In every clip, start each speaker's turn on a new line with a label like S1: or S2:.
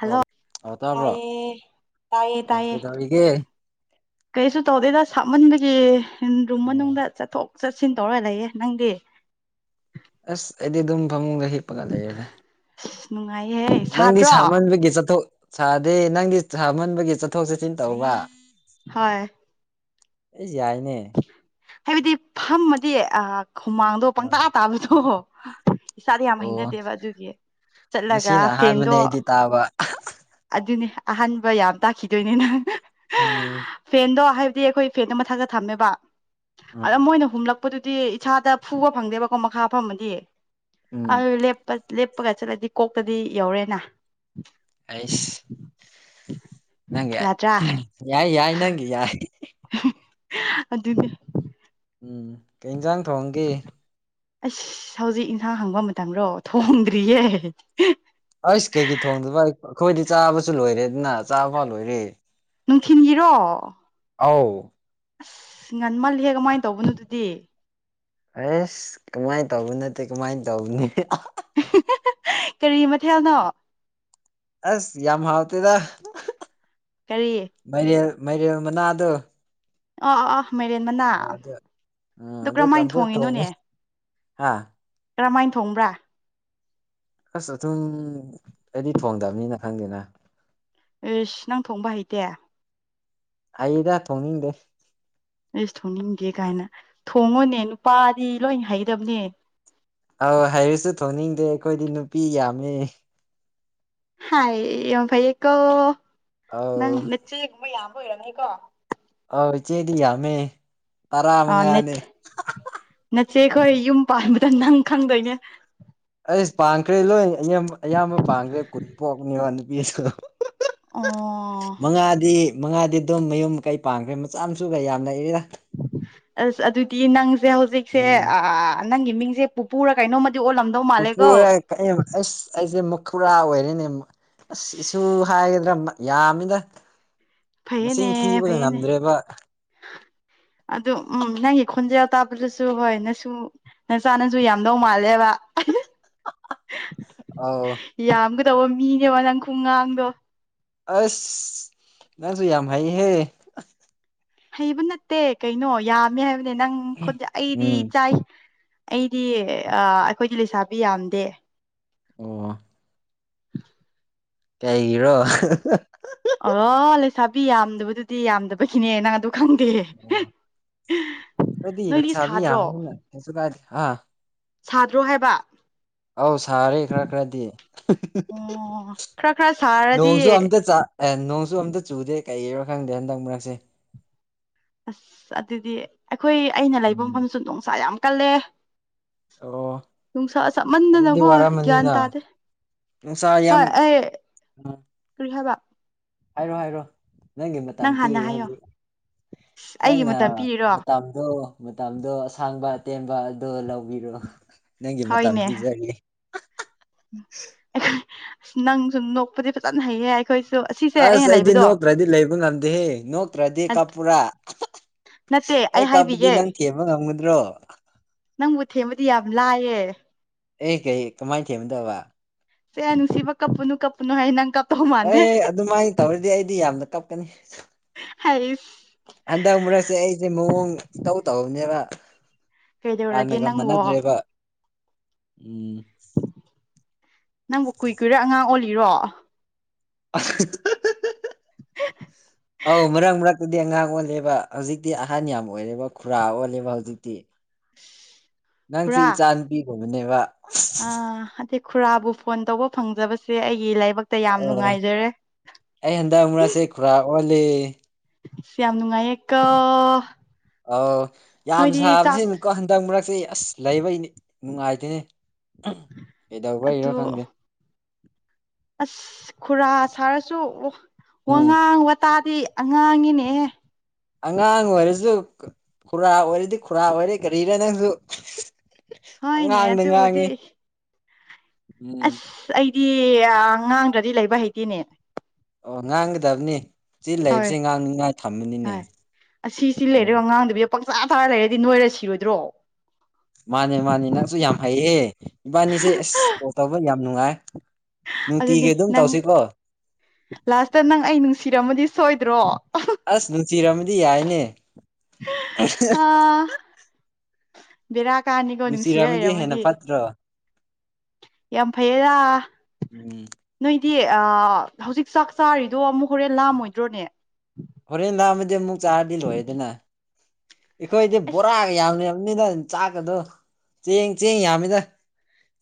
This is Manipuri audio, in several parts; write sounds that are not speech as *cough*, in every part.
S1: ꯍꯜꯂꯣ
S2: ꯑ ꯇꯥꯕ꯭ꯔꯣ
S1: ꯇꯥꯏꯌꯦ ꯇꯥꯏꯌꯦ
S2: ꯑꯣ
S1: ꯇꯥꯏꯌꯦ
S2: ꯀꯩꯗꯧꯔꯤꯒꯦ
S1: ꯀꯩꯁꯨ ꯇꯧꯗꯦꯗ ꯁꯥꯃꯟꯕꯒꯤ ꯔꯨꯝ ꯃꯅꯨꯡꯗ ꯆꯠꯊꯣꯛ ꯆꯠꯁꯤꯟ ꯇꯧꯔ ꯂꯩꯌꯦ ꯅꯪꯗꯤ
S2: ꯑꯁ ꯑꯩꯗꯤ ꯑꯗꯨꯝ ꯐꯃꯨꯡꯗ ꯍꯤꯞꯄꯒ ꯂꯩꯔꯦꯗ
S1: ꯅꯨꯡꯉꯥꯏꯌꯦ
S2: ꯅꯪꯗꯤ ꯁꯥꯃꯟꯕꯒꯤ ꯆꯠꯊꯣꯛ ꯁꯥꯗꯦ ꯅꯪꯗꯤ ꯁꯥꯃꯟꯕꯒꯤ ꯆꯠꯊꯣꯛ ꯆꯠꯁꯤꯟ ꯇꯧꯕ
S1: ꯍꯣꯏ
S2: ꯑꯩꯁ ꯌꯥꯏꯅꯦ
S1: ꯍꯥꯏꯕꯗꯤ ꯐꯝꯃꯗꯤ ꯑꯥ ꯍꯨꯃꯥꯡꯗꯣ ꯄꯪꯇꯥ
S2: ꯑꯥ
S1: ꯇꯥꯕꯗꯣ ꯏꯁꯥꯗ ꯌꯥꯝ
S2: ꯑꯣ
S1: ꯍꯩꯅꯗꯦꯕ ꯑꯗꯨꯒꯤ ꯆꯠꯂꯒ
S2: ꯉꯁꯤꯅ ꯑꯍꯥꯟꯕꯅꯦ
S1: ꯐꯦꯟꯗꯣ
S2: ꯑꯩꯗꯤ ꯇꯥꯕ
S1: ꯑꯗꯨꯅꯦ ꯑꯍꯥꯟꯕ ꯌꯥꯝ ꯇꯥꯛꯈꯤꯗꯣꯏꯅꯦꯅꯥ
S2: ꯎꯝ
S1: ꯐꯦꯟꯗꯣ ꯍꯥꯏꯕꯗꯤ ꯑꯩꯈꯣꯏ ꯐꯦꯟꯗꯣ ꯃꯊꯛꯇ ꯊꯝꯃꯦꯕ
S2: ꯎꯝ
S1: ꯑꯗ ꯃꯣꯏꯅ ꯍꯨꯝꯂꯛ ꯄꯗꯨꯗꯤ ꯏꯁꯥꯗ ꯐꯨꯕ ꯐꯪꯗꯦꯕꯀꯣ ꯃꯈꯥ ꯐꯝꯃꯗꯤ
S2: ꯎꯝ
S1: ꯑꯗꯨ ꯂꯦꯞꯄ ꯂꯦꯞꯄꯒ ꯆꯠꯂꯗꯤ ꯀꯣꯛꯇꯗꯤ ꯌꯧꯔꯦꯅꯥ
S2: ꯑꯩꯁ ꯅꯪꯒꯤ ꯑ
S1: ꯌꯥꯗ꯭ꯔꯥ
S2: ꯌꯥꯏ ꯌꯥꯏ ꯅꯪꯒꯤ ꯌꯥꯏ
S1: ꯑꯗꯨꯅꯦ
S2: ꯎꯝ ꯀꯩꯟꯖꯥꯡ ꯊꯣꯡꯒꯦ
S1: ꯑꯁ ꯍꯧꯖꯤꯛ ꯏꯟꯁꯥꯡ ꯍꯪꯕ ꯃꯇꯝꯔꯣ ꯊꯣꯡꯗ꯭ꯔꯤꯌꯦ
S2: ꯑꯁ ꯀꯩꯒꯤ ꯊꯣꯡꯗꯕ ꯑ ꯑꯩꯈꯣꯏꯗꯤ ꯆꯥꯕꯁꯨ ꯂꯣꯏꯔꯦꯗꯅ ꯆꯥꯕ ꯐꯥꯎ ꯂꯣꯏꯔꯦ
S1: ꯅꯨꯡꯊꯤꯟꯒꯤꯔꯣ
S2: ꯑꯥꯎ
S1: ꯑꯁ ꯉꯟꯃꯜꯂꯤꯍꯦ ꯀꯃꯥꯏ ꯇꯧꯕꯅꯣ ꯑꯗꯨꯗꯤ
S2: ꯑꯦꯁ ꯀꯃꯥꯏꯟ ꯇꯧꯕ ꯅꯠꯇꯦ ꯀꯃꯥꯏꯟ ꯇꯧꯕꯅꯤ
S1: ꯀꯔꯤ ꯃꯊꯦꯜꯅꯣ
S2: ꯑꯁ ꯌꯥꯝ ꯍꯥꯎꯇꯦꯗ
S1: ꯀꯔꯤ
S2: ꯃꯥꯏꯔꯦꯜ ꯃꯥꯏꯔꯦꯜ ꯃꯅꯥꯗꯣ
S1: ꯑ‌ꯣ ꯑꯥ ꯑꯥ ꯃꯥꯏꯔꯦꯟ ꯃꯅꯥ
S2: ꯎꯝ
S1: ꯑꯗꯨ ꯀꯔꯝꯃꯥꯏꯅ ꯊꯣꯡꯉꯤꯅꯣꯅꯦ
S2: ꯍꯥꯥ
S1: ꯀꯔꯝꯃꯥꯏꯟ ꯊꯣꯡꯕ꯭ꯔꯥ
S2: ꯑꯁ ꯑꯗꯨꯝ ꯑꯩꯗꯤ ꯊꯣꯡꯗꯕꯅꯤꯅ ꯈꯪꯗꯦꯅ
S1: ꯑꯩꯁ ꯅꯪ ꯊꯣꯡꯕ ꯍꯩꯇꯦ
S2: ꯍꯩꯗ ꯊꯣꯡꯅꯤꯡꯗꯦ
S1: ꯏꯁ ꯊꯣꯡꯅꯤꯡꯗꯦ ꯀꯥꯏꯅ ꯊꯣꯡꯉꯣꯅꯦ ꯅꯨꯄꯥꯗꯤ ꯂꯣꯏ ꯍꯩꯗꯕꯅꯦ
S2: ꯑꯧ ꯍꯩꯔꯤꯁꯨ ꯊꯣꯡꯅꯤꯡꯗꯦ ꯑꯩꯈꯣꯏꯗꯤ ꯅꯨꯄꯤ ꯌꯥꯝꯃꯦ
S1: ꯍꯥꯏ ꯌꯥꯝ ꯐꯩꯌꯦꯀꯣ
S2: ꯑꯧ
S1: ꯅꯪ ꯅꯆꯦꯒꯨꯝꯕ ꯌꯥꯝꯕ ꯑꯣꯏꯔꯝꯅꯤꯀꯣ
S2: ꯑꯣ ꯏꯆꯦꯗꯤ ꯌꯥꯝꯃꯦ ꯇꯔꯥ
S1: ꯑꯥ ꯅꯠ
S2: ꯃꯉꯥꯅꯦ
S1: ꯅꯆ‌ꯦꯈꯣꯏ ꯌꯨꯝ ꯄꯥꯟꯕꯗ ꯅꯪ ꯈꯪꯗꯣꯏꯅꯦ
S2: ꯑꯩꯁ ꯄꯥꯟꯈ꯭ꯔꯦ ꯂꯣꯏ ꯑꯌꯝꯕ ꯑꯌꯥꯝꯕ ꯄꯥꯟꯈ꯭ꯔꯦ ꯀꯨꯟ ꯄꯣꯛꯄꯅꯤꯕ ꯅꯨꯄꯤꯗ‌ꯣ
S1: ꯑꯣ
S2: ꯃꯉꯥꯗꯤ ꯃꯉꯥꯗꯤ ꯑꯗꯨꯝ ꯃꯌꯨꯝ ꯃꯀꯩ ꯄꯥꯟꯈ꯭ꯔꯦ ꯃꯆꯥ ꯃꯁꯨꯒ ꯌꯥꯝ ꯂꯩꯌ‌ꯦꯗꯥ
S1: ꯑꯁ ꯑꯗꯨꯗꯤ ꯅꯪꯁꯦ ꯍꯧꯖꯤꯛꯁꯦ
S2: ꯎꯝ
S1: ꯅꯪꯒꯤ ꯃꯤꯡꯁꯦ ꯄꯨꯄꯨꯔꯥ ꯀꯩꯅꯣꯃꯗꯤ ꯑꯣꯜꯂꯝ
S2: ꯄꯨꯄꯨꯔꯥ ꯀꯩ ꯑꯁ ꯑꯩꯁꯦ ꯃꯈꯨꯔꯥ ꯑꯣꯏꯔ‌ꯦꯅꯦ ꯑꯁ ꯏꯁꯨ ꯍꯥꯏꯒꯗ꯭ꯔꯥ ꯃ ꯌꯥꯝꯃꯤꯗ ꯃꯁꯤꯡ
S1: ꯐꯩꯌꯦꯅꯦ
S2: ꯊꯤꯕꯒ
S1: ꯐꯩꯌꯦꯅꯦ
S2: ꯉꯝꯗ꯭ꯔꯦꯕ
S1: ꯑꯗꯨ ꯎꯝ ꯅꯪꯒꯤ ꯈꯣꯟꯖ‌ꯦꯜ ꯇꯥꯕꯗꯁꯨ ꯍꯣꯏ ꯅꯁꯨ ꯅꯆꯥ ꯅꯁꯨ ꯌꯥꯝꯗꯧ ꯃꯥꯜꯂꯦꯕ
S2: ꯑꯧ
S1: ꯌꯥꯝꯒꯗꯧꯕ ꯃꯤꯅꯦꯕ ꯅꯪ ꯈꯨꯠꯉꯥꯡꯗꯣ
S2: ꯑꯁ ꯅꯪꯁꯨ ꯌꯥꯝ ꯍꯩꯍꯦ
S1: ꯍꯩꯕ ꯅꯠꯇꯦ ꯀꯩꯅꯣ ꯌꯥꯝꯃꯦ ꯍꯥꯏꯕꯅꯦ ꯅꯪ ꯈꯣꯟꯖ‌ꯦ ꯑꯩꯗꯤ
S2: ꯎꯝ
S1: ꯏꯆꯥꯏ ꯑꯩꯗꯤ ꯑꯥ ꯑꯩꯈꯣꯏꯗꯤ ꯂꯩꯁꯥꯕꯤ ꯌꯥꯝꯗꯦ
S2: ꯑꯣ
S1: *unintelligible*
S2: ꯀꯩꯒꯤꯔꯣ
S1: ꯑꯣ ꯂꯩꯁꯥꯕꯤ ꯌꯥꯝꯗꯕꯗꯨꯗꯤ ꯌꯥꯝꯗꯕꯒꯤꯅꯦ ꯅꯪ ꯑꯗꯨ ꯈꯪꯗꯦ
S2: ꯑꯩꯈꯣꯏꯗꯤ
S1: ꯅꯣꯏꯗꯤ ꯁꯥꯗ꯭ꯔꯣ
S2: ꯍꯁꯨ ꯀꯥꯏꯗꯤ ꯍꯥ
S1: ꯁꯥꯗ꯭ꯔꯣ ꯍꯥꯏꯕ
S2: ꯑꯧ ꯁꯥꯔꯦ ꯈꯔ ꯈꯔꯗꯤ
S1: ꯑꯣ ꯈꯔ ꯈꯔ
S2: ꯅꯣꯡꯁꯨ
S1: ꯁꯥꯔꯗꯤ
S2: ꯑꯝꯇ ꯆꯠ ꯑꯦ ꯅꯣꯡꯁꯨ ꯑꯝꯇ ꯆꯨꯗꯦ ꯀꯩꯒꯤꯔꯣ ꯈꯪꯗꯦ ꯍꯟꯗꯛ ꯃꯔꯛꯁꯦ
S1: ꯑꯁ ꯑꯗꯨꯗꯤ ꯑꯩꯈꯣꯏ ꯑꯩꯅ ꯂꯩꯕ
S2: ꯎꯝ
S1: ꯃꯐꯝꯗꯁꯨ ꯅꯨꯡꯁꯥ ꯌꯥꯝ ꯀꯜꯂꯦ
S2: ꯑꯣ
S1: ꯅꯨꯡꯁꯥ
S2: ꯑꯗꯨꯗꯤ
S1: ꯁꯥꯃꯟꯗꯅꯀꯣ ꯒ꯭ꯌꯥꯟ
S2: ꯋꯥꯔꯝꯃꯅꯤꯅ
S1: ꯇꯥꯗꯦ
S2: ꯅꯨꯡꯁꯥ ꯌꯥꯝ
S1: ꯀ꯭ꯔꯤꯍꯥꯏꯕ
S2: ꯍꯥꯏꯔꯣ ꯍꯥꯏꯔꯣ ꯅꯪꯒꯤ ꯃꯇꯝ
S1: ꯅꯪ ꯍꯥꯟꯅ
S2: ꯄꯤꯔꯤ
S1: ꯍꯥꯏꯌꯣ
S2: ꯍꯧꯖꯤꯛ
S1: ꯑꯁ ꯑꯩꯒꯤ
S2: ꯅꯪꯅ
S1: ꯃꯇꯝ ꯄꯤꯔꯤꯔꯣ
S2: ꯃꯇꯝꯗꯣ ꯃꯇꯝꯗꯣ ꯑꯁꯥꯡꯕ ꯑꯇꯦꯟꯕ ꯑꯗꯣ ꯂꯧꯕꯤꯔꯣ ꯅꯪꯒꯤ ꯃꯇꯝ
S1: ꯍꯣꯏꯅꯦ ꯎ
S2: ꯄꯤꯖꯒꯦ
S1: ꯑꯁ ꯅꯪ ꯁꯨꯝ ꯅꯣꯛꯄꯗꯤ ꯐꯖꯅ ꯍꯩꯌꯦ ꯍꯥꯏ ꯑꯩꯈꯣꯏꯁꯨ ꯑꯁꯤ
S2: ꯑꯁ ꯑꯩꯗꯤ ꯅꯣꯛꯇ꯭ꯔꯗꯤ ꯂꯩꯕ ꯉꯝꯗꯦꯍꯦ ꯅꯣꯛꯇ꯭ꯔꯗꯤ ꯀꯞꯄꯨꯔꯥ
S1: ꯅꯠꯇꯦ
S2: ꯑꯩ ꯀꯞꯄꯗꯤ
S1: ꯍꯥꯏꯕꯤꯒꯦ
S2: ꯅꯪ ꯊꯦꯝꯕ ꯉꯝꯒꯗ꯭ꯔꯣ
S1: ꯅꯪꯕꯨ ꯊꯦꯝꯕꯗꯤ ꯌꯥꯝ ꯂꯥꯏꯌꯦ
S2: ꯑꯦ ꯀꯩ ꯀꯃꯥꯏꯅ ꯊꯦꯝꯕꯗꯧꯕ
S1: ꯁꯦ ꯅꯨꯡ ꯁꯤꯕ ꯀꯞꯄꯅꯨ ꯀꯞꯄꯅꯨ ꯍꯥꯏ ꯅꯪ ꯀꯞ
S2: ꯑꯦ ꯑꯗꯨꯃꯥꯏꯅ ꯇꯧꯔꯗꯤ ꯑꯩꯗꯤ ꯌꯥꯝꯅ ꯀꯞꯀꯅꯤ
S1: ꯍꯥꯏ
S2: ꯍꯟꯗꯛ ꯃꯔꯛꯁꯦ ꯑꯩꯁꯦ ꯃꯑꯣꯡ ꯏꯇꯧ ꯇꯧꯅꯦꯕ
S1: ꯀꯩꯗꯧꯔꯒꯦ
S2: ꯍꯥꯟꯅꯒ
S1: ꯅꯪꯕꯣ
S2: ꯃꯅꯗ꯭ꯔꯦꯕ ꯎꯝ
S1: ꯅꯪꯕꯨ ꯀꯨꯏ ꯀꯨꯏꯔꯥ ꯑꯉꯥꯡ ꯑꯣꯜꯂꯤꯔꯣ
S2: ꯑ ꯍ
S1: *unintelligible*
S2: *unintelligible* ꯑꯧ ꯃꯔꯛ ꯃꯔꯛꯇꯗꯤ ꯑꯉꯥꯡ ꯑꯣꯜꯂꯦꯕ ꯍꯧꯖꯤꯛꯇꯤ ꯑꯍꯟ ꯌꯥꯝ ꯑꯣꯏꯔꯦꯕ ꯈꯨꯔꯥ ꯑꯣꯜꯂꯦꯕ ꯍꯧꯖꯤꯛꯇꯤ ꯅꯪꯁꯦ ꯏꯆꯥ ꯅꯨꯄꯤꯒꯨꯝꯕꯅꯤꯕ
S1: ꯑ ꯑꯗꯗꯤ ꯈꯨꯔꯥꯕꯨ ꯐꯣꯟ ꯇꯧꯕ ꯐꯪꯖꯕꯁꯦ ꯑꯩꯒꯤ ꯂꯥꯏꯕꯛꯇ ꯌꯥꯝ
S2: ꯑ
S1: ꯅꯨꯡꯉꯥꯏꯖꯔꯦ
S2: ꯑꯩ ꯍꯟꯗꯛ ꯃꯔꯛꯁꯦ ꯈꯨꯔꯥ ꯑꯣꯜꯂꯦ
S1: ꯌꯥꯝ ꯅꯨꯡꯉꯥꯏꯌꯦꯀꯣ
S2: ꯑꯎ ꯌꯥꯝ
S1: ꯅꯣꯏꯗꯤ ꯆꯥꯛ
S2: ꯁꯥꯕꯁꯤꯅꯀꯣ ꯍꯟꯗꯛ ꯃꯔꯛꯁꯦ ꯑꯁ ꯂꯩꯕꯩꯅꯦ ꯅꯨꯡꯉꯥꯏꯇꯦꯅꯦ ꯀꯩꯗꯧꯕꯩꯔꯣ
S1: ꯑꯗꯨ
S2: ꯈꯪꯗꯦ
S1: ꯑꯁ ꯈꯨꯔꯥ ꯁꯥꯔꯁꯨ
S2: ꯎꯝ
S1: ꯋꯥꯉꯥꯡ ꯋꯥꯇꯥꯗꯤ ꯑꯉꯥꯡꯅꯤꯅꯦꯍꯦ
S2: ꯑꯉꯥꯡ ꯑꯣꯏꯔꯁꯨ ꯈꯨꯔꯥ ꯑꯣꯏꯔꯗꯤ ꯈꯨꯔꯥ ꯑꯣꯏꯔꯦ ꯀꯔꯤꯔꯥ ꯅꯪꯁꯨ
S1: ꯍꯣꯏꯅꯦ
S2: ꯄꯉꯥꯡꯗ ꯉꯥꯡꯉꯤ
S1: ꯑꯗꯨꯕꯨꯗꯤ
S2: ꯎꯝ
S1: ꯑꯁ ꯑꯩꯗꯤ ꯑ ꯉꯥꯡꯗ꯭ꯔꯗꯤ ꯂꯩꯕ ꯍꯩꯇꯦꯅꯦ
S2: ꯑꯣ ꯉꯥꯡꯒꯗꯕꯅꯤ ꯁꯤ
S1: ꯍꯣꯏ
S2: ꯂꯩꯕꯁꯦ ꯉꯥꯡꯅꯤꯉꯥꯏ ꯊꯝꯕꯅꯤꯅꯦ
S1: ꯍꯣꯏ ꯑꯁꯤꯁꯤ
S2: ꯎꯝ
S1: ꯂꯩꯔꯦꯒ ꯑꯉꯥꯡꯗꯕꯤ ꯄꯪꯆꯥ ꯆꯥꯔ ꯂꯩꯔꯗꯤ ꯅꯣꯏꯔ ꯁꯤꯔꯣꯏꯗ꯭ꯔꯣ
S2: ꯃꯥꯅꯦ ꯃꯥꯅꯦ ꯅꯪꯁꯨ ꯌꯥꯝ ꯍꯩꯌꯦ ꯏꯕꯥꯅꯤꯁꯦ ꯑꯁ ꯀꯣꯜ ꯇꯧꯕ ꯌꯥꯝ ꯅꯨꯡꯉꯥꯏ
S1: ꯑꯗꯨꯅꯦ
S2: ꯅꯨꯡꯇꯤꯒꯤ ꯑꯗꯨꯝ
S1: ꯅꯪ
S2: ꯇꯧꯁꯤꯀꯣ
S1: ꯂꯥꯁꯇ ꯅꯪ ꯑꯩ ꯅꯨꯡꯁꯤꯔꯝꯃꯗꯤ ꯁꯣꯏꯗ꯭ꯔꯣ
S2: ꯑꯁ ꯅꯨꯡꯁꯤꯔꯝꯃꯗꯤ ꯌꯥꯏꯅꯦ
S1: ꯑꯥ ꯕꯦꯔꯥ ꯀꯥꯅꯤꯀꯣ ꯅꯨꯡꯁꯤꯔ
S2: ꯅꯨꯡꯁꯤꯔꯝꯃꯗꯤ ꯍꯦꯟꯅ
S1: ꯂꯩꯔꯝꯃꯗꯤ
S2: ꯐꯠꯇ꯭ꯔꯣ
S1: ꯌꯥꯝ ꯐꯩꯌꯦꯗ
S2: ꯎꯝ
S1: ꯅꯣꯏꯗꯤ ꯑꯥ ꯍꯧꯖꯤꯛ ꯆꯥꯛ ꯆꯥꯔꯤꯗꯣ ꯑꯃꯨꯛ ꯍꯣꯔꯦꯟ ꯂꯥꯝꯃꯣꯏꯗ꯭ꯔꯣꯅꯦ
S2: ꯍꯣꯔꯦꯟ ꯂꯥꯝꯃꯗꯤ ꯑꯃꯨꯛ ꯆꯥꯔꯗꯤ ꯂꯣꯏꯑꯦꯗꯅ ꯑꯩꯈꯣꯏꯗꯤ
S1: ꯑꯁ
S2: ꯕꯣꯔꯥꯒ ꯌꯥꯝ ꯂꯩꯔꯝꯅꯤꯗ ꯆꯥꯛꯀꯗꯣ ꯆꯦꯡ ꯆꯦꯡ ꯌꯥꯝꯃꯤꯗ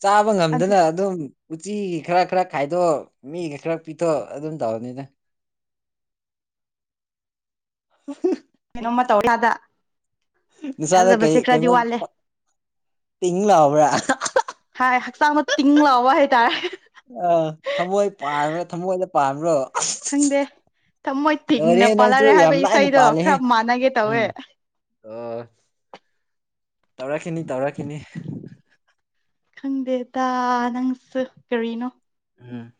S2: ꯆꯥꯕ
S1: ꯑꯗꯨ
S2: ꯉꯝꯗꯅ ꯑꯗꯨꯝ ꯎꯆꯤꯒꯤ ꯈꯔ ꯈꯔ ꯈꯥꯏꯗꯣꯛ ꯃꯤꯒꯤ ꯈꯔ ꯄꯤꯊꯣꯛ ꯑꯗꯨꯝ ꯇꯧꯅꯤꯗ *unintelligible*
S1: ꯀꯩꯅꯣꯝꯃ ꯇꯧꯔ ꯂꯥꯗ
S2: ꯅꯁꯥꯗ ꯀꯩ ꯀꯩꯅꯣꯃꯥ
S1: ꯋꯥꯠꯂꯦ
S2: ꯇꯤꯡ ꯂꯥꯎꯕ꯭ꯔꯥ
S1: ꯍꯥꯢ ꯍꯛꯆꯥꯡꯗꯣ ꯇꯤꯡ ꯂꯥꯎꯕ ꯍꯥꯏꯇꯥꯔꯦ
S2: ꯑꯥ ꯊꯃꯣꯏ ꯄꯥꯟꯕ꯭ꯔ ꯊꯃꯣꯏꯗ ꯄꯥꯟꯕ꯭ꯔꯣ
S1: ꯈꯪꯗꯦ ꯊꯃꯣꯏ ꯇꯤꯡꯅ
S2: ꯂꯣꯏꯔꯦꯍꯦ ꯅꯪꯁꯨ
S1: ꯄꯥꯜꯂꯛꯔꯦ ꯍꯥꯏꯕ
S2: ꯌꯥꯝ ꯂꯥꯏꯅ
S1: ꯏꯁꯩꯗꯣ
S2: ꯄꯥꯜꯂꯦꯍꯦ
S1: ꯈꯔ ꯃꯥꯟꯅꯒꯦ
S2: ꯎꯝ
S1: ꯇꯧꯋꯦ
S2: ꯑꯣ ꯇꯧꯔꯛꯈꯤꯅꯤ ꯇꯧꯔꯛꯈꯤꯅꯤ
S1: ꯈꯪꯗꯦꯇꯥ ꯅꯪꯁꯨ ꯀꯔꯤꯅꯣ
S2: ꯎꯝ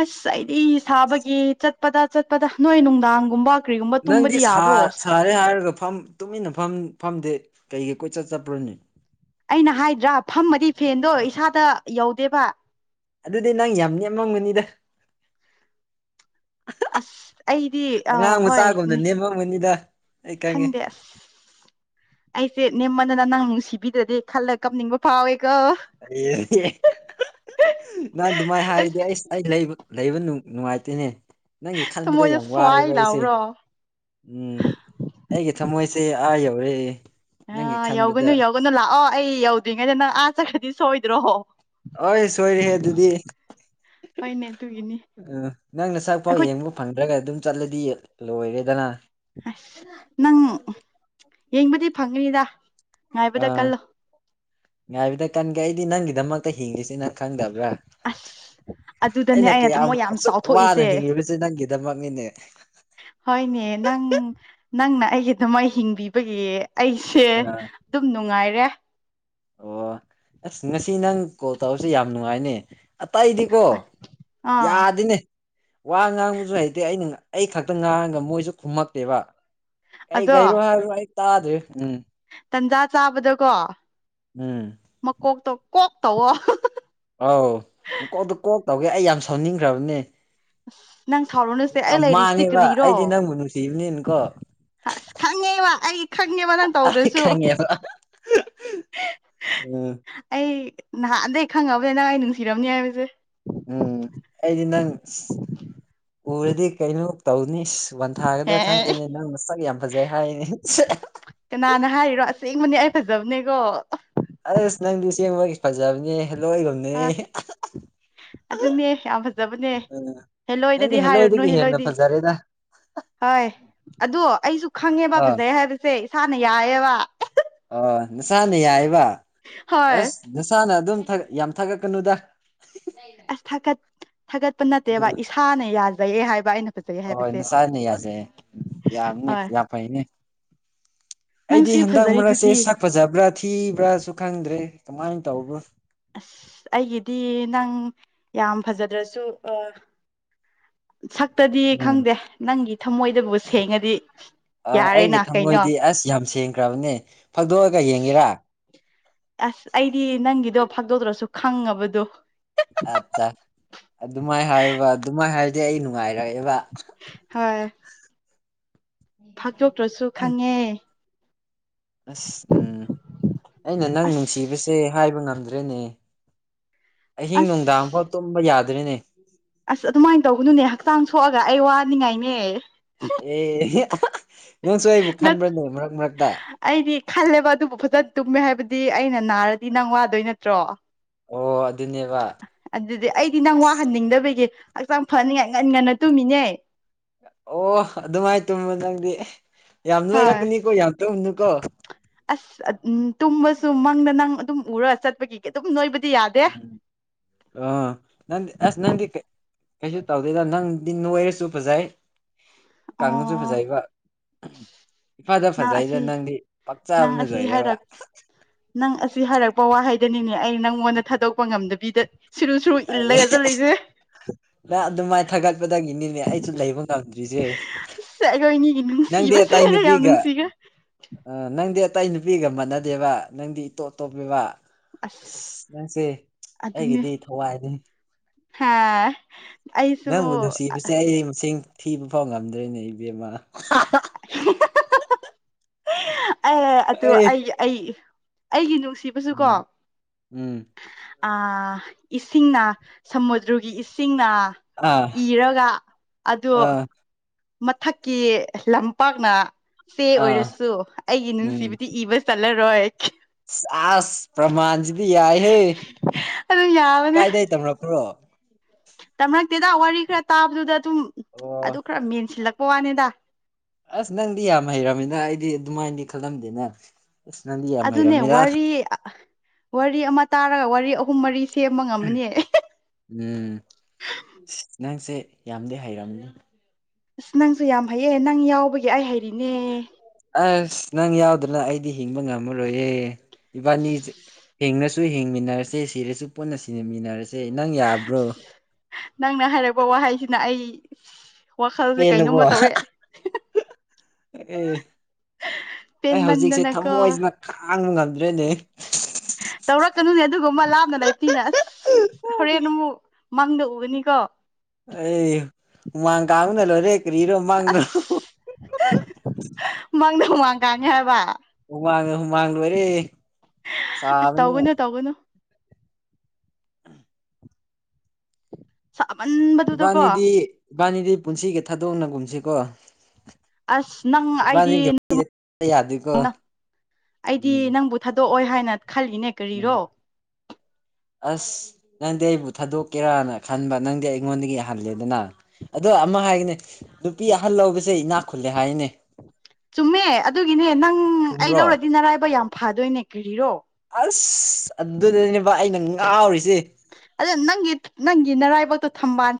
S1: ꯑꯁ ꯑꯩꯗꯤ ꯁꯥꯕꯒꯤ ꯆꯠꯄꯗ ꯆꯠꯄꯗ ꯅꯣꯏ ꯅꯨꯡꯗꯥꯡꯒꯨꯝꯕ ꯀ꯭ꯔꯤꯒꯨꯝꯕ ꯇꯨꯝꯕꯗꯤ ꯌꯥꯕꯔꯣ ꯁꯥ
S2: *unintelligible* ꯍꯥꯏꯔꯒ ꯐꯝ ꯇꯨꯃꯤꯟꯅ ꯐꯝ ꯐꯝꯗꯦ ꯀꯩꯒꯤ ꯀꯣꯏꯆꯠ ꯆꯠꯄ꯭ꯔꯅꯦ
S1: ꯑꯩꯅ ꯍꯥꯏꯗ꯭ꯔꯥ ꯐꯝꯃꯗꯤ ꯐꯦꯟꯗꯣ ꯏꯁꯥꯗ ꯌꯧꯗꯦꯕ
S2: ꯑꯗꯨꯗꯤ ꯅꯪ ꯌꯥꯝ ꯅꯦꯝꯃꯝꯒꯅꯤꯗ
S1: ꯑꯁ ꯑꯩꯗꯤ ꯑꯥ
S2: ꯑꯉꯥꯡ
S1: ꯍꯣꯏ
S2: ꯃꯆꯥꯒꯨꯝꯅ
S1: ꯅꯦ
S2: ꯅꯦꯝꯃꯝꯒꯅꯤꯗ ꯑꯩ ꯈꯪꯉꯦ
S1: ꯈꯪꯗꯦ ꯑꯁ ꯑꯩꯁꯦ ꯅꯦꯝꯃꯟꯗꯅ ꯅꯪ ꯅꯨꯡꯁꯤꯕꯤꯗ꯭ꯔꯗꯤ ꯈꯜꯂꯒ ꯀꯞꯅꯤꯡꯕ ꯐꯥꯎꯋꯦꯀꯣ
S2: ꯅꯪ ꯑꯗꯨꯃꯥꯏ
S1: ꯑꯁ
S2: ꯍꯥꯏꯔꯗꯤ ꯑꯩꯁ ꯑꯩ ꯂꯩꯕ ꯂꯩꯕ ꯅꯨꯡꯉꯥꯏꯇꯦꯅꯦ ꯅꯪꯒꯤ ꯈꯟꯕꯗ
S1: ꯊꯃꯣꯏꯗ
S2: ꯌꯥꯝ ꯋꯥꯔꯦꯕ
S1: ꯁ꯭ꯋꯥꯏ
S2: ꯑꯩꯁꯦ
S1: ꯂꯥꯎꯕ꯭ꯔꯣ
S2: ꯎꯝ ꯑꯩꯒꯤ ꯊꯃꯣꯏꯁꯦ ꯑꯥ ꯌꯧꯔꯦ ꯅꯪꯒꯤ
S1: ꯑꯥ
S2: ꯈꯟꯕꯗ
S1: ꯌꯧꯒꯅꯨ ꯌꯧꯒꯅꯨ ꯂꯥꯛꯑꯣ ꯑꯩ ꯌꯧꯗ꯭ꯔꯤꯉꯩꯗ ꯅꯪ ꯑꯥ ꯆꯠꯈ꯭ꯔꯗꯤ ꯁꯣꯏꯗ꯭ꯔꯣ
S2: ꯑꯣꯢ ꯁꯣꯏꯔꯦꯍꯦ ꯑꯗꯨꯗꯤ
S1: ꯍꯣꯏꯅꯦ ꯑꯗꯨꯒꯤꯅꯤ
S2: ꯑꯥ ꯅꯪ ꯅꯁꯛ ꯐꯥꯎ
S1: ꯑꯩꯈꯣꯏ
S2: ꯌꯦꯡꯕ ꯐꯪꯗ꯭ꯔꯒ ꯑꯗꯨꯝ ꯆꯠꯂꯗꯤ ꯂꯣꯏꯔꯦꯗꯅ
S1: ꯑꯩꯁ ꯅꯪ ꯌꯦꯡꯕꯗꯤ ꯐꯪꯒꯅꯤꯗ ꯉꯥꯏꯕꯗ
S2: ꯑꯥ
S1: ꯀꯜꯂꯣ
S2: ꯉꯥꯏꯕꯗ ꯀꯟꯒꯦ ꯑꯩꯗꯤ ꯅꯪꯒꯤꯗꯃꯛꯇ ꯍꯤꯡꯔꯤꯁꯤ ꯅꯪ ꯈꯪꯗꯕ꯭ꯔꯥ
S1: ꯑꯁ ꯑꯗꯨꯗꯅꯦ
S2: ꯑꯩꯅ ꯀꯌꯥꯝ
S1: ꯊꯃꯣꯏ ꯌꯥꯝ
S2: ꯑꯁꯨꯛ ꯋꯥꯅ
S1: ꯆꯥꯎꯊꯣꯛꯏꯁꯦ
S2: ꯍꯤꯡꯉꯤꯕꯁꯦ ꯅꯪꯒꯤꯗꯃꯛꯅꯤꯅꯦ
S1: ꯍꯣꯏꯅꯦ ꯅꯪ ꯅꯪꯅ ꯑꯩꯒꯤꯗꯨꯃꯥꯏ ꯍꯤꯡꯕꯤꯕꯒꯤ ꯑꯩꯁꯦ
S2: ꯑꯥ
S1: ꯗꯨꯝ ꯅꯨꯡꯉꯥꯏꯔꯦ
S2: ꯑꯣ ꯑꯁ ꯉꯁꯤ ꯅꯪ ꯀꯣꯜ ꯇꯧꯔꯁꯤ ꯌꯥꯝ ꯅꯨꯡꯉꯥꯏꯅꯦ ꯑꯇꯩꯗꯤꯀꯣ
S1: ꯑꯥ
S2: ꯌꯥꯗꯤꯅꯦ ꯋꯥ ꯉꯥꯡꯕꯁꯨ ꯍꯩꯇꯦ ꯑꯩꯅ ꯑꯩ ꯈꯛꯇ ꯉꯥꯡꯔꯒ ꯃꯣꯏꯁꯨ ꯈꯨꯝꯃꯛꯇꯦꯕ ꯀꯩ
S1: ꯑꯗꯣ
S2: ꯀꯩꯔꯣ ꯍꯥꯏꯔꯣ ꯑꯩ ꯇꯥꯗ꯭ꯔꯤ ꯎꯝ
S1: ꯇꯟꯖꯥ ꯆꯥꯕꯗꯀꯣ
S2: ꯎꯝ
S1: ꯃꯀꯣꯛꯇꯣ ꯀꯣꯛ ꯇꯧꯋꯣ
S2: ꯑꯧ ꯃꯀꯣꯛꯇꯨ ꯀꯣꯛ ꯇꯧꯒꯦ ꯑꯩ ꯌꯥꯝ ꯁꯥꯎꯅꯤꯡꯈ꯭ꯔꯕꯅꯦ
S1: ꯑꯁ ꯅꯪ ꯁꯥꯎꯔꯨꯅꯨꯁꯦ ꯑꯩ
S2: ꯃꯇꯝ
S1: ꯂꯩꯔꯤꯁꯤꯗꯤ
S2: ꯃꯥꯡꯉꯦꯕ
S1: ꯀꯔꯤꯔꯣ
S2: ꯑꯩꯗꯤ ꯅꯪꯕꯨ ꯅꯨꯡꯁꯤꯕꯅꯤꯅꯀꯣ
S1: ꯑꯁ ꯈꯪꯉꯦꯕ ꯑꯩ ꯈꯪꯉꯦꯕ ꯅꯪ
S2: ꯑꯩ
S1: ꯇꯧꯗ꯭ꯔꯁꯨ
S2: ꯈꯪꯉꯦꯕ ꯎꯝ
S1: ꯑꯩ ꯅꯍꯥꯟꯗꯩ ꯈꯪꯉꯕꯅꯤ ꯅꯪ ꯑꯩ ꯅꯨꯡꯁꯤꯔꯝꯅꯤ ꯍꯥꯏꯕꯁꯦ
S2: ꯎꯝ ꯑꯩꯗꯤ ꯅꯪ ꯎꯔꯗꯤ ꯀꯩꯅꯣ ꯇꯧꯅꯤ ꯋꯥꯟꯊꯥꯒꯗ꯭ꯔꯥ
S1: ꯍꯦ
S2: ꯈꯪꯗꯦꯅꯦ ꯅꯪ ꯅꯁꯛ ꯌꯥꯝ ꯐꯖꯩ ꯍꯥꯏꯌꯦꯅꯦ
S1: ꯀꯅꯥꯅ ꯍꯥꯏꯔꯤꯔꯣ ꯑꯁꯦꯡꯕꯅꯦ ꯑꯩ ꯐꯖꯕꯅꯦꯀꯣ
S2: ꯑꯁ ꯅꯪꯗꯤ ꯑꯁꯦꯡꯕꯒꯤ ꯐꯖꯕꯅꯦ ꯍꯦꯂꯣꯏꯒꯨꯝ
S1: ꯑ
S2: *unintelligible*
S1: ꯑꯗꯨꯅꯦ ꯌꯥꯝ ꯐꯖꯕꯅꯦ
S2: ꯎꯝ ꯅꯪꯗꯤ
S1: ꯍꯦꯜꯂꯣꯏꯗꯗꯤ
S2: ꯍꯦꯜꯂꯣꯏꯗꯒꯤ
S1: ꯍꯥꯏꯔꯨꯅꯨ
S2: ꯍꯦꯟꯅ
S1: ꯍꯦꯜꯂꯣꯏꯗꯤ
S2: ꯐꯖꯔꯦꯗ
S1: ꯍꯣꯏ ꯑꯗꯣ ꯑꯩꯁꯨ ꯈꯪꯉꯦꯕ
S2: ꯑꯥ
S1: ꯐꯖꯩ ꯍꯥꯏꯕ ꯁꯦ ꯏꯁꯥꯅ ꯌꯥꯏꯌꯦꯕ
S2: ꯑꯣ ꯅꯁꯥꯅ ꯌꯥꯏꯕ
S1: ꯍꯣꯏ
S2: ꯑꯁ ꯅꯁꯥꯅ ꯑꯗꯨꯝ ꯊꯥꯒꯠ ꯌꯥꯝ ꯊꯥꯒꯠꯀꯅꯨꯗ
S1: ꯑꯁ ꯊꯥꯠ ꯊꯥꯒꯠꯄ ꯅꯠꯇꯦꯕ ꯏꯁꯥꯅ ꯌꯥꯖꯩꯌꯦ ꯍꯥꯏꯕ ꯑꯩꯅ ꯐꯖꯩ
S2: ꯑꯣ ꯍꯣꯏ
S1: ꯍꯥꯏꯕꯁꯦ
S2: ꯅꯁꯥꯥꯅ ꯌꯥꯖꯩ ꯌꯥꯝꯅꯦ
S1: ꯍꯣꯏ
S2: ꯌꯥꯝ ꯐꯩꯅꯦ ꯑꯩꯗꯤ
S1: ꯅꯪꯁꯨ
S2: ꯍꯟꯗꯛ ꯃꯔꯛꯁꯦ
S1: ꯐꯖꯔꯤꯗꯨꯗꯤ
S2: ꯁꯛ ꯐꯖꯕ꯭ꯔꯥ ꯊꯤꯕ꯭ꯔꯥꯁꯨ ꯈꯪꯗ꯭ꯔꯦ ꯀꯃꯥꯏꯅ ꯇꯧꯕ꯭ꯔꯣ
S1: ꯑꯁ ꯑꯩꯒꯤꯗꯤ ꯅꯪ ꯌꯥꯝ ꯐꯖꯗ꯭ꯔꯁꯨ ꯑ ꯁꯛꯇꯗꯤ
S2: ꯎꯝ
S1: ꯈꯪꯗꯦ ꯅꯪꯒꯤ ꯊꯝꯃꯣꯏꯗꯕꯨ ꯁꯦꯡꯉꯗꯤ
S2: ꯑ ꯑꯩꯒꯤ
S1: ꯌꯥꯔꯦꯅ ꯀꯩꯅꯣ
S2: ꯊꯃꯣꯏꯗꯤ ꯑꯁ ꯌꯥꯝ ꯁꯦꯡꯈ꯭ꯔꯕꯅꯦ ꯐꯥꯛꯗꯣꯛꯑꯒ ꯌꯦꯡꯒꯦꯔꯥ
S1: ꯑꯁ ꯑꯩꯗꯤ ꯅꯪꯒꯤꯗꯣ ꯐꯥꯛꯗꯣꯛꯗ꯭ꯔꯁꯨ ꯈꯪꯉꯕꯗꯣ
S2: ꯑꯠꯆꯥ ꯑꯗꯨꯃꯥꯏꯅ ꯍꯥꯏꯋꯨꯕ ꯑꯗꯨꯃꯥꯏꯅ ꯍꯥꯏꯔꯗꯤ ꯑꯩ ꯅꯨꯡꯉꯥꯏꯔꯛꯑꯦꯕ
S1: ꯍꯣꯏ ꯐꯥꯛꯇꯣꯛꯇ꯭ꯔꯁꯨ ꯈꯪꯉꯦ
S2: ꯑꯁ ꯎꯝ ꯑꯩꯅ ꯅꯪ ꯅꯨꯡꯁꯤꯕꯁꯦ
S1: ꯑꯁ
S2: ꯍꯥꯏꯕ ꯉꯝꯗ꯭ꯔꯦꯅꯦ ꯑꯍꯤꯡ ꯅꯨꯡꯗꯥꯡꯐꯥꯎ
S1: ꯑꯁ
S2: ꯇꯨꯝꯕ ꯌꯥꯗ꯭ꯔꯦꯅꯦ
S1: ꯑꯁ ꯑꯗꯨꯃꯥꯏꯅ ꯇꯧꯒꯅꯨꯅꯦ ꯍꯛꯆꯥꯡ ꯁꯣꯛꯑꯒ ꯑꯩ ꯋꯥꯅꯤꯡꯉꯥꯏꯅꯦ
S2: ꯑꯦ ꯅꯪꯁꯨ ꯑꯩꯕꯨ
S1: ꯅꯠ
S2: ꯈꯟꯕ꯭ꯔꯥꯅꯦ ꯃꯔꯛ ꯃꯔꯛꯇ
S1: ꯑꯩꯗꯤ ꯈꯜꯂꯦꯕ ꯑꯗꯨꯕꯨ ꯐꯖꯅ ꯇꯨꯝꯃꯦ ꯍꯥꯏꯕꯗꯤ ꯑꯩꯅ ꯅꯥꯔꯗꯤ ꯅꯪ ꯋꯥꯗꯣꯏ ꯅꯠꯇ꯭ꯔꯣ
S2: ꯑꯣ ꯑꯗꯨꯅꯦꯕ
S1: ꯑꯗꯨꯗꯤ ꯑꯩꯗꯤ ꯅꯪ ꯋꯥꯍꯟꯅꯤꯡꯗꯕꯒꯤ ꯍꯛꯆꯥꯡ ꯐꯅꯤꯡꯉꯥꯏ ꯉꯟ ꯉꯟꯅ ꯇꯨꯝꯃꯤꯅꯦ
S2: ꯑꯣ ꯑꯗꯨꯃꯥꯏꯅ ꯇꯨꯝꯃꯣ ꯅꯪꯗꯤ ꯌꯥꯝ
S1: ꯍꯣꯏ
S2: ꯅꯣꯏꯔꯛꯀꯅꯤꯀꯣ ꯌꯥꯝ ꯇꯨꯝ ꯅꯨꯀꯣ
S1: ꯑꯁ ꯑꯗ ꯎꯝ ꯇꯨꯝꯕꯁꯨ ꯃꯪꯗ ꯅꯪ ꯑꯗꯨꯝ ꯎꯔ ꯆꯠꯄꯒꯤ ꯑꯗꯨꯝ ꯅꯣꯏꯕꯗꯤ ꯌꯥꯗ
S2: ꯑ ꯅꯪꯗꯤ ꯑꯁ ꯅꯪꯗꯤ ꯀꯩ ꯀꯩꯁꯨ ꯇꯧꯗꯦꯗ ꯅꯪꯗꯤ ꯅꯣꯏꯔꯁꯨ ꯐꯖꯩ ꯀꯡꯉꯁꯨ
S1: ꯑꯣ
S2: ꯐꯖꯩꯕ ꯏꯐꯗ
S1: ꯅꯪ
S2: ꯐꯖꯩꯗ
S1: ꯑꯁꯤ
S2: ꯅꯪꯗꯤ
S1: ꯅꯪ
S2: ꯄꯥꯛꯆꯥꯥꯕꯅ
S1: ꯑꯁꯤ
S2: ꯂꯣꯏꯔꯦꯕ
S1: ꯍꯥꯏꯔꯛ ꯅꯪ ꯑꯁꯤ ꯍꯥꯏꯔꯛꯄ ꯋꯥꯍꯩꯗꯅꯤꯅꯦ ꯑꯩ ꯅꯪꯉꯣꯟꯗ ꯊꯥꯗꯣꯛꯄ ꯉꯝꯗꯕꯤꯗ ꯁꯨꯔꯨ ꯁꯨꯔꯨ ꯏꯜꯂꯒ ꯆꯠꯂꯤꯁꯦ
S2: ꯅꯪ ꯑꯗꯨꯃꯥꯏꯅ ꯊꯥꯒꯠꯄꯗꯒꯤꯅꯤꯅꯦ ꯑꯩꯁꯨ ꯂꯩꯕ ꯉꯝꯗ꯭ꯔꯤꯁꯦ
S1: ꯑꯁ ꯑꯩꯈꯣꯏꯅꯤꯒꯤ
S2: ꯅꯪꯗꯤ
S1: ꯅꯨꯡꯁꯤꯕꯁꯦ
S2: ꯑꯇꯩ
S1: ꯌꯥꯝ
S2: ꯅꯨꯄꯤꯒ
S1: ꯅꯨꯡꯁꯤꯈ꯭ꯔꯦ
S2: ꯑ ꯅꯪꯗꯤ ꯑꯇꯩ ꯅꯨꯄꯤꯒ ꯃꯥꯟꯅꯗꯦꯕ ꯅꯪꯗꯤ ꯏꯇꯣꯞ ꯇꯣꯞꯄꯦꯕ ꯑꯁ ꯅꯪꯁꯦ ꯑꯩꯒꯤꯗꯤ ꯊꯋꯥꯏꯅꯤ
S1: ꯍꯥꯥ
S2: ꯅꯪꯕꯨ ꯅꯨꯡꯁꯤꯕꯁꯦ ꯑꯩ ꯃꯁꯤꯡ ꯊꯤꯕ ꯐꯥꯎ ꯉꯝꯗ꯭ꯔꯦꯅꯦ ꯏꯕꯦꯝꯃ
S1: *unintelligible* ꯑꯦ ꯑꯗꯨ ꯑꯩ ꯑꯩ ꯑꯩꯒꯤ ꯅꯨꯡꯁꯤꯕꯁꯨꯀꯣ
S2: ꯎꯝ ꯎꯝ
S1: ꯑꯥ ꯏꯁꯤꯡꯅ ꯁꯃꯨꯗ꯭ꯔꯒꯤ ꯏꯁꯤꯡꯅ
S2: ꯑꯥ
S1: ꯏꯔꯒ ꯑꯗꯨ
S2: ꯑꯥ
S1: ꯃꯊꯛꯀꯤ ꯂꯝꯄꯥꯛꯅ ꯆꯦ
S2: ꯑꯥ
S1: ꯑꯣꯏꯔꯁꯨ ꯑꯩꯒꯤ
S2: ꯎꯝ
S1: ꯅꯨꯡꯁꯤꯕꯗꯤ ꯏꯕ ꯆꯥꯜꯂꯔꯣꯢ
S2: ꯑꯁ ꯄ꯭ꯔꯃꯥꯟꯁꯤꯗꯤ ꯌꯥꯏꯍꯦ
S1: ꯑꯗꯨꯝ ꯌꯥꯕꯅꯦ
S2: ꯀꯥꯏꯗꯩ ꯇꯝꯂꯛꯄ꯭ꯔꯣ
S1: ꯇꯝꯔꯛꯇꯦꯗ ꯋꯥꯔꯤ ꯈꯔ ꯇꯥꯕꯗꯨꯗ ꯑꯗꯨꯝ
S2: ꯑꯣ
S1: ꯑꯗꯨ ꯈꯔ ꯃꯦꯟꯁꯤꯜꯂꯛꯄ ꯋꯥꯅꯤꯗ꯫
S2: ꯑꯁ ꯅꯪꯗꯤ ꯌꯥꯝ ꯍꯩꯔꯝꯃꯤꯅ ꯑꯩꯗꯤ ꯑꯗꯨꯃꯥꯏꯅꯗꯤ ꯈꯜꯂꯝꯗꯦꯅ ꯏꯁ ꯅꯪꯗꯤ ꯌꯥꯝ
S1: ꯑꯗꯨꯅꯦ
S2: ꯍꯩꯔꯝꯃꯤꯗ
S1: ꯋꯥꯔꯤ ꯋꯥꯔꯤ ꯑꯃ ꯇꯥꯔꯒ ꯋꯥꯔꯤ ꯑꯍꯨꯝ ꯃꯔꯤ ꯁꯦꯝꯃ ꯉꯝꯃꯅꯤ
S2: ꯎꯝ ꯅꯪꯁꯦ ꯌꯥꯝꯗꯤ ꯍꯩꯔꯝꯅꯤ
S1: ꯑꯁ ꯅꯪꯁꯨ ꯌꯥꯝ ꯍꯩꯌꯦ ꯅꯪ ꯌꯥꯎꯕꯒꯤ ꯑꯩ ꯍꯩꯔꯤꯅꯦ꯫
S2: ꯑꯁ ꯅꯪ ꯌꯥꯎꯗꯅ ꯑꯩꯗꯤ ꯍꯤꯡꯕ ꯉꯝꯃꯔꯣꯏꯌꯦ ꯏꯕꯥꯅꯤ꯫ ꯍꯤꯡꯅꯁꯨ ꯍꯤꯡꯃꯤꯟꯅꯔꯁꯤ ꯁꯤꯔꯁꯨ ꯄꯨꯟꯅ ꯁꯤꯅꯤꯃꯤꯅꯔꯁꯤ꯫
S1: ꯅꯪꯅ ꯍꯥꯏꯔꯛꯄ ꯋꯥꯍꯩꯁꯤꯅ ꯑꯩ ꯋꯥꯈꯜꯁꯦ
S2: ꯄꯦꯜꯂꯕꯣ
S1: ꯀꯩꯅꯣꯝꯃ ꯇꯧꯔꯦ꯫
S2: ꯑꯦ ꯑꯩ ꯍꯧꯖꯤꯛꯁꯦ
S1: ꯄꯦꯟꯃꯟꯗꯅꯀꯣ
S2: ꯊꯃꯣꯏꯖꯤꯅ ꯈꯥꯡꯕ ꯉꯝꯗ꯭ꯔꯦꯅꯦ
S1: ꯇꯧꯔꯛꯀꯅꯨꯅꯦ ꯑꯗꯨꯒꯨꯝꯕ ꯂꯥꯞꯅ ꯂꯩꯞꯇꯤꯅ ꯑꯁ ꯍꯣꯔꯦꯟ ꯑꯃꯨ ꯃꯪꯗ ꯎꯒꯅꯤꯀꯣ꯫
S2: ꯑꯩ ꯍꯨꯃꯥꯡ ꯀꯥꯡꯕꯅ‌ ꯂꯣꯏꯔꯦ ꯀꯔꯤꯔꯣ ꯃꯪꯔꯣ꯫
S1: ꯑꯁ ꯃꯪꯗ ꯍꯨꯃꯥꯡ ꯀꯥꯟꯉꯦ ꯍꯥꯏꯕ
S2: ꯍꯨꯃꯥꯡꯅ ꯍꯨꯃꯥꯡ ꯂꯣꯏꯔꯦ
S1: ꯑꯁ
S2: ꯁꯥꯕꯅꯤꯅ
S1: ꯇꯧꯒꯅꯨ ꯇꯧꯒꯅꯨ꯫ ꯁꯃꯟꯕ
S2: ꯏꯕꯥꯅꯤꯗꯤ ꯏꯕꯥꯅꯤꯗꯤ ꯄꯨꯟꯁꯤꯒꯤ ꯊꯥꯗꯣꯛꯅꯒꯨꯝꯁꯤꯀꯣ꯫
S1: ꯑꯁ ꯅꯪ ꯑꯩꯗꯤ
S2: ꯏꯕꯥꯅꯤꯒꯤ ꯌꯥꯗꯦꯀꯣ
S1: *unintelligible* ꯑꯩꯗꯤ
S2: ꯎꯝ
S1: ꯅꯪꯕꯨ ꯊꯥꯗꯣꯛꯑꯣꯏ ꯍꯥꯏꯅ ꯈꯜꯂꯤꯅꯦ꯫ ꯀꯔꯤꯔꯣ
S2: *unintelligible* ꯑꯁ ꯅꯪꯗꯤ ꯑꯩꯕꯨ ꯊꯥꯗꯣꯛꯀꯦꯔꯥꯅ ꯈꯟꯕ ꯅꯪꯗꯤ ꯑꯩꯉꯣꯟꯗꯒꯤꯅ ꯍꯜꯂꯦꯗꯅ ꯑꯗꯣ ꯑꯃ ꯍꯥꯏꯒꯦꯅꯦ ꯅꯨꯄꯤ ꯑꯍꯜ ꯂꯧꯕꯁꯦ ꯏꯅꯥꯛ ꯈꯨꯜꯂꯦ ꯍꯥꯏꯅꯦ
S1: ꯆꯨꯝꯃꯦ ꯑꯗꯨꯒꯤꯅꯦ ꯅꯪ ꯑꯩ
S2: ꯆꯨꯝꯕ꯭ꯔꯣ
S1: ꯂꯧꯔꯗꯤ ꯅꯔꯥꯏꯕꯥꯛ ꯌꯥꯝ ꯐꯥꯗꯣꯏꯅꯦ ꯀꯔꯤꯔꯣ
S2: ꯑꯁ ꯑꯗꯨꯗꯅꯤꯕ ꯑꯩꯅ ꯉꯥꯎꯔꯤꯁꯦ
S1: ꯑꯗꯨ ꯅꯪꯒꯤ ꯅꯪꯒꯤ ꯅꯔꯥꯏꯕꯛꯇꯣ ꯊꯝꯕꯥꯟ